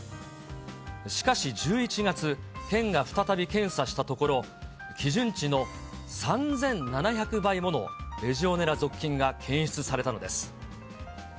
しかし１１月、県が再び検査したところ、基準値の３７００倍ものレジオネラ属菌が検出されたのです。